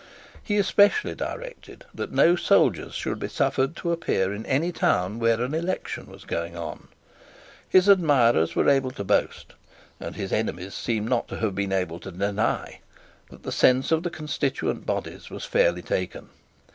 He especially directed that no soldiers should be suffered to appear in any town where an election was going on. His admirers were able to boast, and his enemies seem not to have been able to deny, that the sense of the constituent bodies was fairly taken.